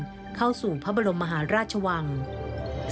ส่วนนำริวและพระทินั่งราเชนทรยานจะเคลื่อนตรงผ่านประตูพิมารชัยศรี